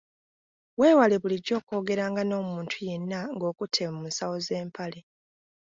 Weewale bulijjo okwogeranga n’omuntu yenna ng’okutte mu nsawo z’empale.